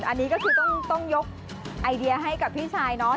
อันนี้ก็คือต้องยกไอเดียให้กับพี่ชายเนาะ